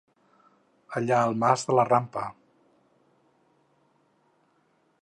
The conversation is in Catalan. Allà al mas de la rampa!